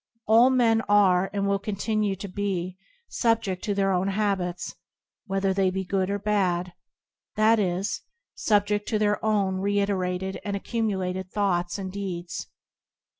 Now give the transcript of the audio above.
All men are, and will continue to be, sub ject to their own habits, whether they be good or bad — that is, subject to their own [«] TBoDp anD Circumstance reiterated and accumulated thoughts and deeds.